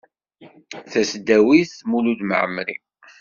Tasdawit Mulud Mɛemmri.